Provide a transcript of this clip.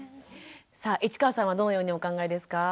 さあ市川さんはどのようにお考えですか？